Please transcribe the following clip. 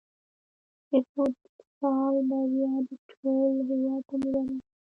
د فوتسال بریا دې ټول هېواد ته مبارک وي.